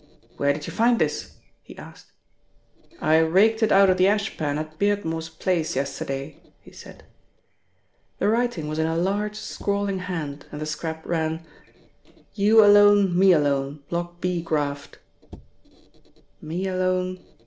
"Where did you find this?" he asked. "I raked it out of the ashpan at Beardmore's place yesterday," he said. The writing was in a large scrawling hand, and the scrap ran: You alone me alone Block B Graft "Me alone..